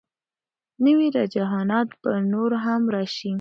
نوي رجحانات به نور هم راشي.